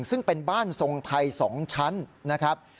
ซึ่งเป็นบ้านทรงไทย๒ชั้นนะครับ